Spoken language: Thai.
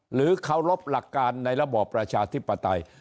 หรือเคารพหลักการในระบอบประชาธิปไตย